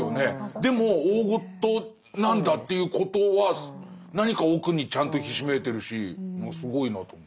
でも大ごとなんだということは何か奥にちゃんとひしめいてるしもうすごいなと思う。